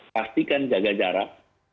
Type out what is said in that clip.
pastikan jaga jarak